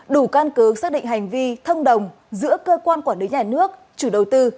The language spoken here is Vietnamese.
đủ căn cứ xác định hành vi thông đồng giữa cơ quan quản lý nhà nước chủ đầu tư